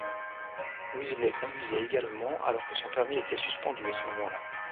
Wesley conduisait également alors que son permis était suspendu à ce moment-là.